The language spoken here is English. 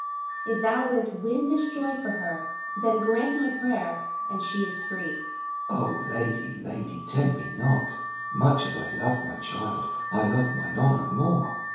If thou wilt win this joy for her, then grant my prayer, and she is free. Selim. Oh, lady, lady, tempt me not! much as I love my child, I love mine honor more.